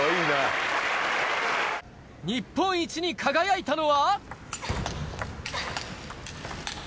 日本一に輝いたのは。